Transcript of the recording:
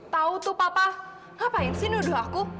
tau tuh papa ngapain sih nuduh aku